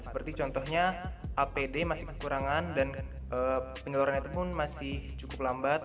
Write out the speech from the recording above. seperti contohnya apd masih kekurangan dan penyeluruhannya pun masih cukup lambat